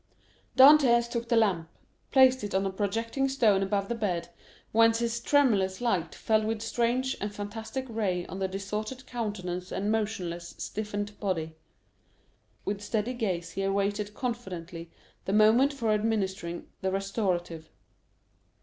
Dantès took the lamp, placed it on a projecting stone above the bed, whence its tremulous light fell with strange and fantastic ray on the distorted countenance and motionless, stiffened body. With steady gaze he awaited confidently the moment for administering the restorative.